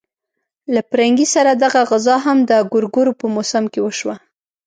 له پرنګي سره دغه غزا هم د ګورګورو په موسم کې وشوه.